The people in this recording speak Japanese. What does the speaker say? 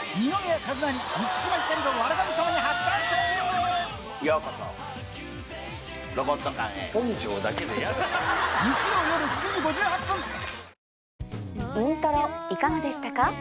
『笑神様』に『イントロ』いかがでしたか？